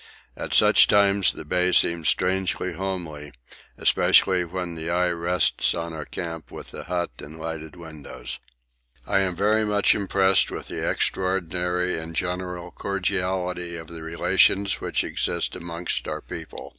At such times the Bay seems strangely homely, especially when the eye rests on our camp with the hut and lighted windows. I am very much impressed with the extraordinary and general cordiality of the relations which exist amongst our people.